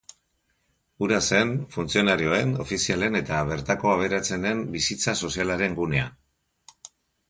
Hura zen funtzionarioen, ofizialen eta bertako aberatsenen bizitza sozialaren gunea.